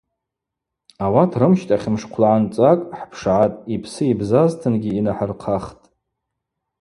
Ауат рымщтахь мшхъвлагӏанцӏакӏ хӏпшгӏатӏ – йпсы-йбзазтынгьи йнахӏырхъахтӏ.